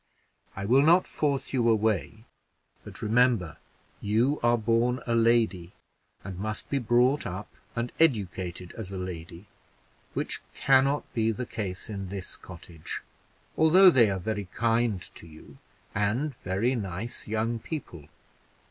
I will not force you away; but remember, you are born a lady, and must be brought up and educated as a lady, which can not be the case in this cottage, although they are very kind to you, and very nice young people.